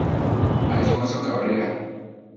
Alfonso Cabrera.